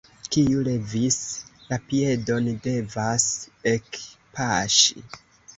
Kiu levis la piedon, devas ekpaŝi.